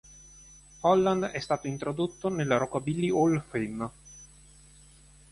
Holland è stato introdotto nella Rockabilly Hall of Fame.